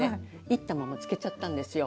いったまま漬けちゃったんですよ。